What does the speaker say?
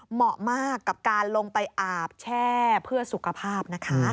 เหมาะมากกับการลงไปอาบแช่เพื่อสุขภาพนะคะ